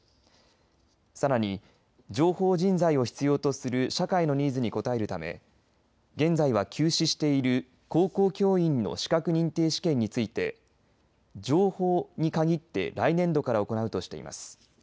さらに情報人材を必要とする社会のニーズにこたえるため現在は休止している高校教員の資格認定試験について情報に限って来年度から行うとしています。